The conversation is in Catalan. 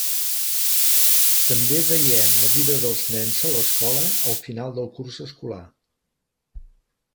També veiem la vida dels nens a l'escola al final del curs escolar.